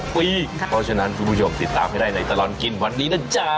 เพราะฉะนั้นคุณผู้ชมติดตามให้ได้ในตลอดกินวันนี้นะจ๊ะ